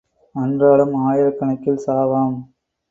அன்றாடம் ஆயிரக்கணக்கில் சாவாம்.